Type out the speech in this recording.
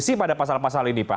ada revisi pada pasal pasal ini pak